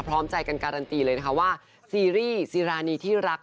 พร้อมใจกันการันตีเลยนะคะว่าซีรีส์ซีรานีที่รัก